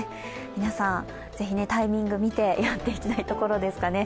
皆さん、ぜひタイミングを見てやっていきたいところですかね。